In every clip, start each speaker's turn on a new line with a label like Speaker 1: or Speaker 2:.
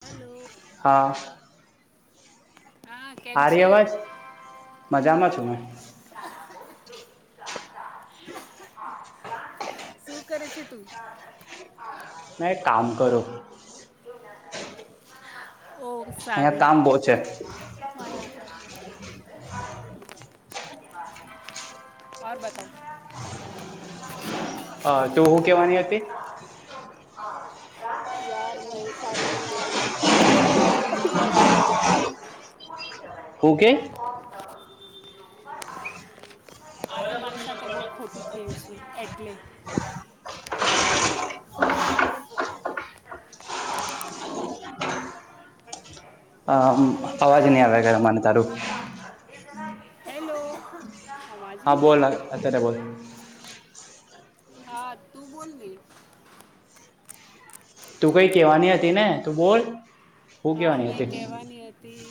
Speaker 1: હાલો
Speaker 2: હા
Speaker 1: હા કેમ
Speaker 2: હારી
Speaker 1: છે?
Speaker 2: અવાજ મજામાં છું મેં
Speaker 1: [unintelligible] શું કરે છે? [inaudible]
Speaker 2: નય કામ કરુ. અહિયાં કામ બહુ છે.
Speaker 1: મરા [inaudible] બતા [inaudible] [unintelligible]
Speaker 2: તું હું કેવાની હતી
Speaker 1: યાર ન સારીની વા [unintelligible]
Speaker 2: હું કે
Speaker 1: [unintelligible] આજે મારી સાથે બહુ ખોટું થયું છે એટલે [unintelligible]
Speaker 2: હા અવાજ નહી આવે તારો
Speaker 1: હેલો અવાજ
Speaker 2: હા
Speaker 1: નહી
Speaker 2: બોલ
Speaker 1: આ રહા
Speaker 2: [unintelligible]
Speaker 1: હા તું બોલલી
Speaker 2: તું કઈ કેવાની હતી ને તું બોલ હું
Speaker 1: હા
Speaker 2: કેવાની
Speaker 1: મેં
Speaker 2: હતી
Speaker 1: કહેવાની હતી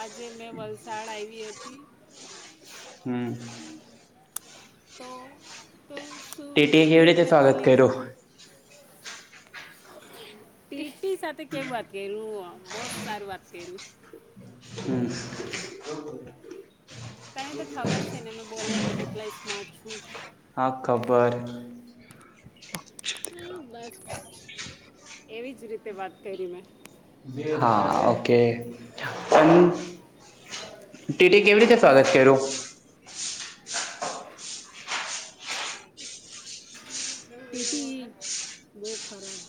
Speaker 1: આજે મેં વલસાડ આવી હતી
Speaker 2: હમ
Speaker 1: તો શું
Speaker 2: ટટીએ કેવી
Speaker 1: ટિકિટ
Speaker 2: રીતે
Speaker 1: નથી
Speaker 2: સ્વાગત
Speaker 1: લીધું
Speaker 2: કર્યું
Speaker 1: તીર્ટી સાથે કેવ વાત કર્યું બહ સારું વાત કર્યું
Speaker 2: હમ્મ
Speaker 1: તને તો ખબર છે ને મે બોલવામાં કેટલાય સ્માર્ટ છું.
Speaker 2: હા ખબર
Speaker 1: હા બસ એવી જ રીતે વાત કરી મેં.
Speaker 2: હા ઓકે પણ ટીટી કેવી રીતે સ્વાગત કર્યું
Speaker 1: ટીટી બહુ ખરાબ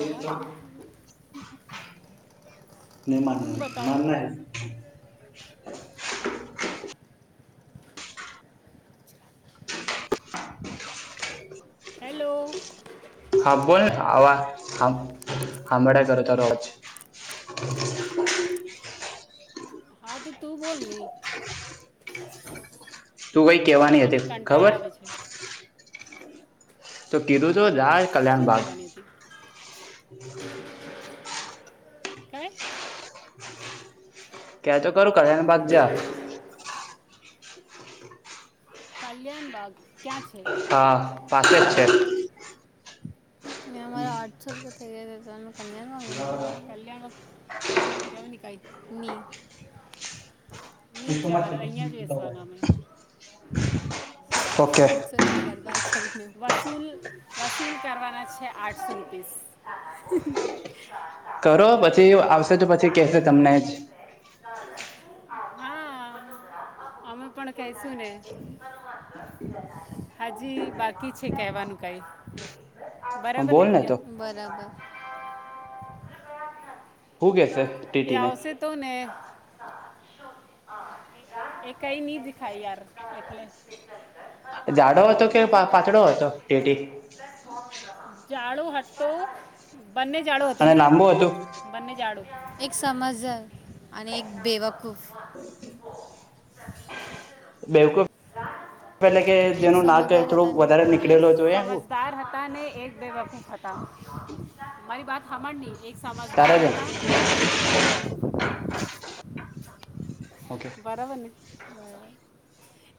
Speaker 1: આવાજ મ
Speaker 2: નહી માન
Speaker 1: તું બતાવ
Speaker 2: માનના હૈ.
Speaker 1: હેલો
Speaker 2: હાંબો ને આવા હંભળ કરો તારોજ
Speaker 1: હા તો તું બોલની
Speaker 2: તું કઈ કેવાની
Speaker 1: મને
Speaker 2: હતી
Speaker 1: કંટાળ
Speaker 2: ખબર
Speaker 1: આવે છે
Speaker 2: તો કીધું છ જાય કલ્યાણ
Speaker 1: શું
Speaker 2: બાદ
Speaker 1: કહેવાની હતી કહે
Speaker 2: ક્યાં તો કરું કલ્યાણ બાદ જા
Speaker 1: કલ્યાણ બાગ ક્યાં છે?
Speaker 2: હા પાસે જ છે.
Speaker 1: એ મારે અઠસો રપિયા થઈ ગયા ત ક્યા મગ જોવાની કઈની. મીજયા જસવાના મે.
Speaker 2: ઓકે
Speaker 1: ભરપાઈ કરીને, વસૂલ વસૂલ કરવાના છે. આઠસો રૂપીસ.
Speaker 2: કરો પછી
Speaker 1: શૂન્ય આ.
Speaker 2: આવશે તો પછી કેશે તમને જ
Speaker 1: હા, અમે પણ કશુ ને. હાજી બાકી છે, કેહેવાનું કઈ?
Speaker 2: હા
Speaker 1: બરાબર ને,
Speaker 2: બોલ
Speaker 1: પૂજા
Speaker 2: તો
Speaker 1: બરાબર.
Speaker 2: હુગે છે,
Speaker 1: એ
Speaker 2: ટીટી ને.
Speaker 1: આવશે તો ને. એક કઈ દીખાય યાર, એટલે
Speaker 2: ઝાડો હતો કે?
Speaker 1: એમની જ વેટ
Speaker 2: પાતળો હતો? ટેટી.
Speaker 1: જાડુ હતું, બંને જાડો હતો
Speaker 2: અને
Speaker 1: ને.
Speaker 2: લાંબુ હતું
Speaker 1: બંને જાડ એક સમજ અને એક બેવક ખૂફ.
Speaker 2: બેવકૂફ. પેલે કે,
Speaker 1: એક
Speaker 2: જેનું નાક
Speaker 1: સમજદાર
Speaker 2: થોડું
Speaker 1: હતા ને એક
Speaker 2: વધારે
Speaker 1: બેવકૂફ.
Speaker 2: નીકળેલો
Speaker 1: એક
Speaker 2: જોય, હું.
Speaker 1: સમજદાર હતા ને એક બેવફૂફ હતા, મારી વાત હમણની એક
Speaker 2: તારે
Speaker 1: સમજદાર
Speaker 2: જ
Speaker 1: હતા, અને એક બેવકૂફ. હતો
Speaker 2: ઓકે.
Speaker 1: બરાબરને.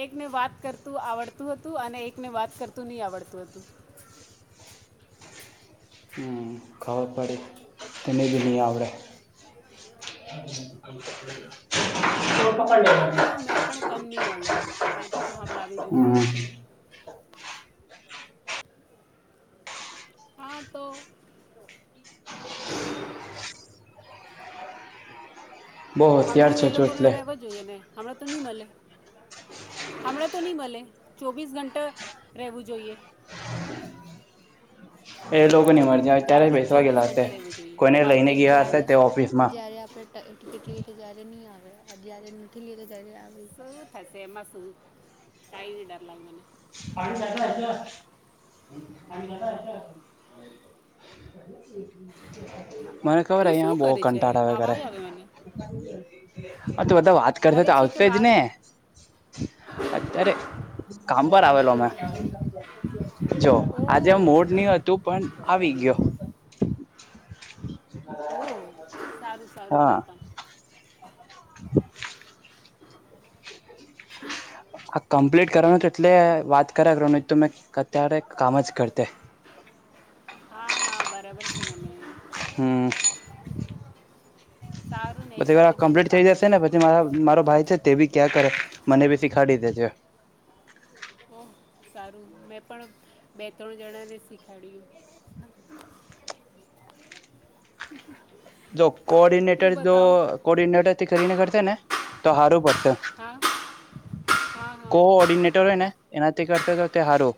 Speaker 1: એકને વાત કરતું, આવડતું હતું, અને એકને વાત કરતું નહીં, આવડતું હતું.
Speaker 2: હ, ખબર પડે તેને, દિલ્ની આવડે. તો.
Speaker 1: હા તો મેં પણ કમ
Speaker 2: હમ.
Speaker 1: નહીં મળે મેં પણ હમણાવી દીધું એ લોકોને
Speaker 2: [unintelligible]
Speaker 1: હા, તો
Speaker 2: [unintelligible] બહુ હોશિયાર
Speaker 1: હમણાં જ
Speaker 2: છો
Speaker 1: એ
Speaker 2: છો
Speaker 1: લોકોને
Speaker 2: એટલે
Speaker 1: રહેવા જોઈએ ને, હમણાં તો નહી મળે. હમણાં તો નહી ભલે, ચોવીસ ઘંટા રહેવું જોઈએ.
Speaker 2: એ લોકોનેની મળે.
Speaker 1: જાગૃત ચોવીસ ઘંટા રહેવું જોઈએ, મારું
Speaker 2: લઈને
Speaker 1: પેજ
Speaker 2: ગયા હશે
Speaker 1: જ્યારે
Speaker 2: તે ઓફિસમાં
Speaker 1: ટિકિટ લઈએ, તો જ્યારે નહી આવે, જ્યારે નથી લઈએ તો, જ્યારે આવે, એમાં. કઈ ડર લાગે મને.
Speaker 2: પાણી જતા છે, પાણી જ હ. મને ખબર,
Speaker 1: તું શું
Speaker 2: અહીં બહુ
Speaker 1: કરે છે
Speaker 2: કંટાળા વગેરે.
Speaker 1: આવાજ આવે મને
Speaker 2: હા, તો બધા વાત કરતા તો
Speaker 1: ઘરે છે કે
Speaker 2: આવશે જ
Speaker 1: બહાર
Speaker 2: ને, અત્યારે કામ આવેલો, અમે જો
Speaker 1: ઓ
Speaker 2: આજે મોડ ની હતું, પણ આવી ગયો.
Speaker 1: ઓ સારું, સારું
Speaker 2: હા
Speaker 1: કરતા.
Speaker 2: [unintelligible] આ કમ્પ્લીટ કરવાનું તો, એટલે વાત કરે, રોનિત તો મેં. અત્યારે કામ જ કરતે.
Speaker 1: હા, હા, બરાબર છે. મ
Speaker 2: હમ.
Speaker 1: સારું ને એક
Speaker 2: પછી એ
Speaker 1: સાથે બે
Speaker 2: કમ્પ્લીટ થઇ
Speaker 1: કામ
Speaker 2: જશે ને, પછી
Speaker 1: કરવાનું
Speaker 2: મા મારો ભાઈ છે. તે બી ક્યાં કરે, મને બી શીખાડી દે છે.
Speaker 1: ઓહ સારું, મેં પણ બે-ત્રણ જણાને શીખાડ્યું.
Speaker 2: જો
Speaker 1: તું
Speaker 2: કોર્ડિનેટર જો
Speaker 1: બતાવ
Speaker 2: કોર્ડિનેટરથી કરીને કરશે ને, તો હારું પડશે.
Speaker 1: હા હા હા
Speaker 2: કો ઓર્ડિનેટર હોય ને, એનાથી કરતા કરે, સારો.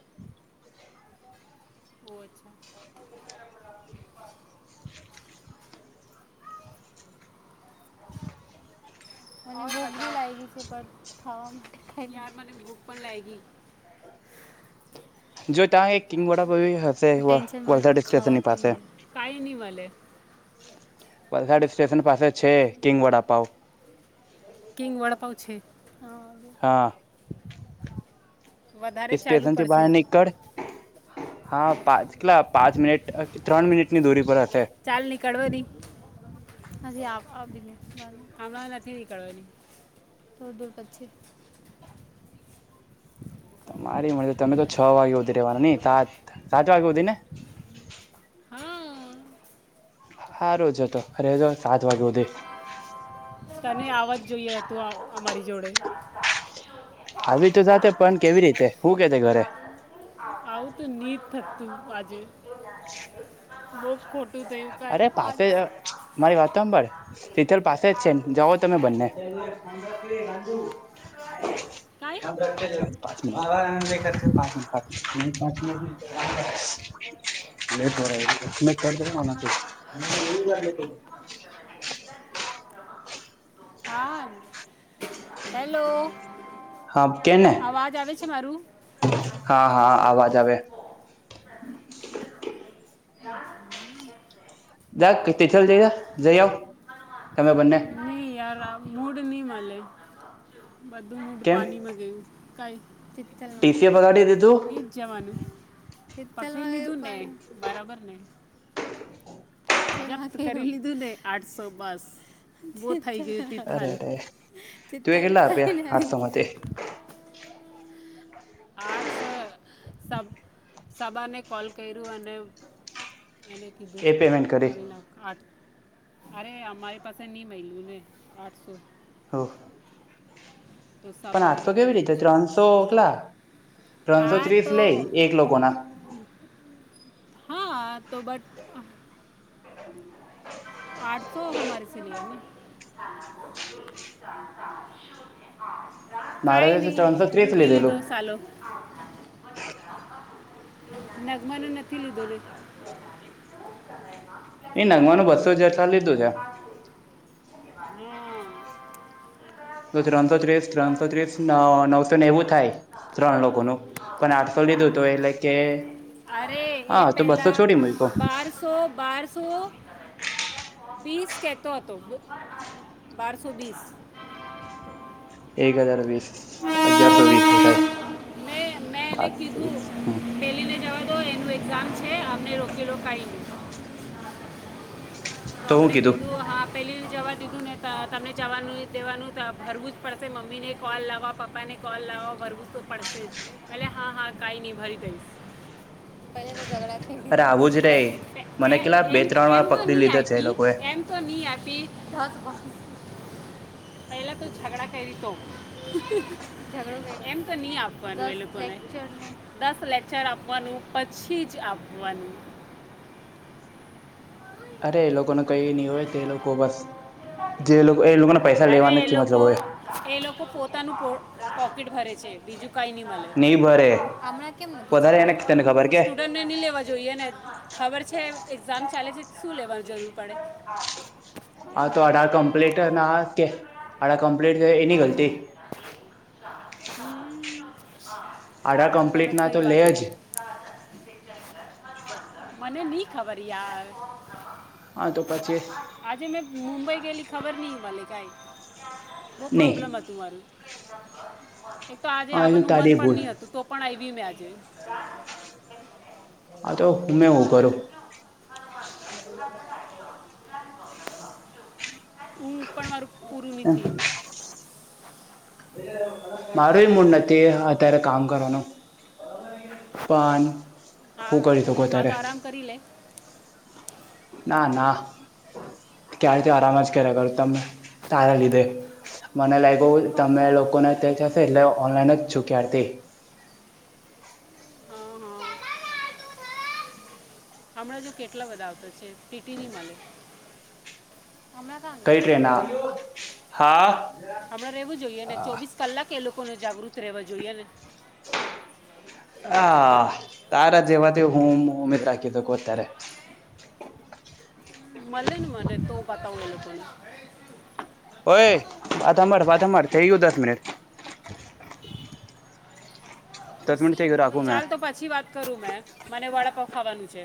Speaker 1: ઓહ અચ્છા.
Speaker 2: [inaudible]
Speaker 1: મને ભુખ લાગી છે પણ ખાવા માટે યાર મને ભૂખ પણ લાગી.
Speaker 2: જો તા એક કિંગ
Speaker 1: ખાને. પણ
Speaker 2: [unintelligible]
Speaker 1: ટેન્શનમાં
Speaker 2: વલસાડ
Speaker 1: હતું
Speaker 2: સ્ટેશનની
Speaker 1: ખાવાતું
Speaker 2: પાસે.
Speaker 1: નહીં મળે. કાંઈ નહીં મળે
Speaker 2: વલસાડ સ્ટેશન પાસે છે કિંગ વડાપાવ.
Speaker 1: કિંગ વડાપાવ છે.
Speaker 2: હા
Speaker 1: વધારે ચાલવું
Speaker 2: સ્ટેશનથી બાર
Speaker 1: પડશે
Speaker 2: નીકળ હા પાચ કેટલા પાંચ મિનિટ ત્રણ મિનિટની દૂરી પર હશે.
Speaker 1: ચાલ નીકળ વડી. હજી [unintelligible] હમણાં નથી નીકળવાની થોડ દૂર પછી
Speaker 2: તમારી મરજી તમે તો છ વાગે સુધી રેવાના નહી સાત સાત વાગે સુધી ને?
Speaker 1: હા.
Speaker 2: હારું છે તો રહેજો સાત વાગે સુધી.
Speaker 1: તને આવ જ જોઈએ હતું અમારી જોડે.
Speaker 2: આવી તો જાતે પણ કેવી રીતે શું કે છે ઘરે.
Speaker 1: આવું તો નિદ થકતું આજે લોક [unintelligible]
Speaker 2: અરે પાસે
Speaker 1: [unintelligible]
Speaker 2: મારી વાત સાંભળ તિથલ પાસે જ છે ને જઓ તમે બંને.
Speaker 1: કઈ?
Speaker 2: [inaudible] [inaudible]
Speaker 1: હાર. હેલો
Speaker 2: હા કેને
Speaker 1: અવાજ આવે છે મારું?
Speaker 2: હા, હા અવાજ આવે.
Speaker 1: [inaudible]
Speaker 2: [unintelligible] જઈ આવ તમે બંને.
Speaker 1: નહીં યાર આ મૂડ નહી મલે બધું મૂડ
Speaker 2: કેમ
Speaker 1: પાણીમાં ગયું.
Speaker 2: ટીસીએ બગાડી દીધું
Speaker 1: કઈ [unintelligible] જવાનું બરાબર ને. કરી લીધું ને આઠસો બસ. બહું થઈ ગઈતી
Speaker 2: અરે
Speaker 1: થાલ
Speaker 2: અરે તું એ કેટલા આપ્યા આઠસો માંથી
Speaker 1: [unintelligible] આઠસો સબ સાબાને કોલ કર્યું અને એને કીધું
Speaker 2: એ પેમેન્ટ
Speaker 1: કરી નાખ આઠ અરે અમારી પાસે નઈ મહિલું ને આઠસો
Speaker 2: [unintelligible]
Speaker 1: તો
Speaker 2: પણ
Speaker 1: સબા
Speaker 2: આઠસો
Speaker 1: એ
Speaker 2: કેવી
Speaker 1: કર્યું
Speaker 2: રીતે
Speaker 1: છે
Speaker 2: ત્રણસો કેટલા ત્રણસો
Speaker 1: હા
Speaker 2: ત્રીસ
Speaker 1: તો
Speaker 2: લઈ એક લોકો ના.
Speaker 1: હા તો બટ આઠસો [unintelligible]
Speaker 2: મારે
Speaker 1: કાઈ નહી
Speaker 2: ત્રણસો ત્રીસ
Speaker 1: લૂટી લીધો
Speaker 2: લીધેલું
Speaker 1: સાલો. નગમા ને નથી લીધો રે.
Speaker 2: એ નંગવાનું બસ
Speaker 1: હમ.
Speaker 2: તો ત્રણસો ત્રીસ ત્રણસો ત્રીસ નવસો નેવું થાય. ત્રણ લોકોનું પણ આઠસો લીધું એટલે કે
Speaker 1: અરે
Speaker 2: હા તો બસ તો છોડી મુકયો.
Speaker 1: સો બારસો વીસ કેતો હતો બારસો વીસ.
Speaker 2: એક હજાર વીસ અગિયારસો વીસ થાય.
Speaker 1: મેં મેં એને કીધું
Speaker 2: હમ
Speaker 1: તો એનું એક્ઝામ છે અમને રોકેલો કઈ ન
Speaker 2: તો હું
Speaker 1: અમને કીધું કે હા પહેલી જવા દીધું ને તો તમને જવાનું દેવાનું તો ભરવું જ પડશે મમ્મીને કોલ લાવવા પપ્પાને કોલ લાવવા ભરવું તો પડશે જ એલે હા હા કાંઈ નહીં ભરી દઈશ. પલે તો ઝઘડા થઈ
Speaker 2: અરે આવું જ રે મને કેટલા
Speaker 1: ગયામ
Speaker 2: બે ત્રણ
Speaker 1: એમ
Speaker 2: વાર
Speaker 1: તો
Speaker 2: પકડી
Speaker 1: નહી આ
Speaker 2: લીધા છે એ લોકોએ
Speaker 1: એમ તો નહીં આપી ધસ પેલા તો ઝગડા કરી તો ઘડો કરી એમ તો નહી આપ દસ લેક્ચર નઈ, દસ લેક્ચર આપવાનું પછી જ આપવાનું
Speaker 2: અરે એ લોકોને કઈ નહી હોય તો એ લોકો બસ જે લોકો એ લોકોને પૈસા
Speaker 1: અરે
Speaker 2: લેવાનો
Speaker 1: એ
Speaker 2: મતલબ
Speaker 1: લોકો
Speaker 2: હોય
Speaker 1: એ લોકો પોતાનું પોકેટ ભરે છે. બીજું કઈ ન મળે.
Speaker 2: નહી ભરે વધારે એને તને ખબર કે
Speaker 1: સ્ટુડન્ટ ને નહી લેવા જોઈએ ને ખબર છે એક્ઝામ ચાલે છે શું લેવાની જરૂર પડે.
Speaker 2: હા તો અઢાર કમ્પ્લીટ ના કે અઢાર કમ્પ્લીટ એની ગલતી આડા કમ્પ્લીટ ના તો લે જ
Speaker 1: [unintelligible] મને ની ખબર યાર
Speaker 2: હા તો પછી
Speaker 1: આજે મેં મુંબઈ ગયેલી ખબર નહી કાઈ શું
Speaker 2: નહી
Speaker 1: પ્રોબલેમ હતું મારું. એક તો આજે
Speaker 2: હા એ
Speaker 1: આવવાનું મન
Speaker 2: તારી
Speaker 1: પણ
Speaker 2: ભૂલ
Speaker 1: નહી હતું તો પણ આવી મે આજે.
Speaker 2: આ તો મેં હું કરું
Speaker 1: [inaudible] હું પણ મારું પૂરું ની થીયું.
Speaker 2: મારું એ મૂડ નથી અત્યારે કામ કરવાનું. પણ
Speaker 1: હા
Speaker 2: હું કરી શકો
Speaker 1: હા
Speaker 2: ત્યારે
Speaker 1: તો આરામ કરી લે.
Speaker 2: ના ના. ક્યારથી આરામ જ કર્યા કરૂ તમે તારે લીધે મને લાયગુ
Speaker 1: થોડુંક કામ
Speaker 2: તમે
Speaker 1: કર
Speaker 2: લોકોને
Speaker 1: થોડુંક
Speaker 2: તમને જ
Speaker 1: બેસી
Speaker 2: હશે
Speaker 1: રહે
Speaker 2: એટલે ઓનલાઈન જ છું ક્યારથી
Speaker 1: હ હ. હમણાં જો કેટલા બધા આવતા છે ટીટીની માલે. હમણા કા
Speaker 2: કઈ ટ્રેન આ હા
Speaker 1: હમણાં રેવું જોઈએને ચોવીસ કલાક એ લોકોને જાગૃત રેવા જોઈએ ને
Speaker 2: [inaudible] આ તારા જેેવા તે હૂમ હૂમે તાકી તકો ત્યારે
Speaker 1: મલેને મને તો બતાવ એ લોકોને
Speaker 2: ઓય વાત હાભળ વાત હાભળ થઈ ગયું દસ મિનિટ દસ મિનિટ થઈ ગયું રાખું મેં
Speaker 1: ચાલ તો પછી વાત કરું મેં મને વડાપાવ ખાવાનું છે.